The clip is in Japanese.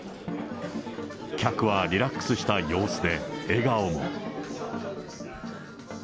客はリラックスした様子で、笑顔も。